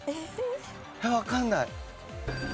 わかんない。